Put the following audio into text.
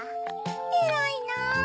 えらいな。